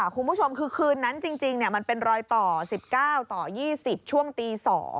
คุณผู้ชมคือคืนนั้นจริงมันเป็นรอยต่อ๑๙ต่อ๒๐ช่วงตี๒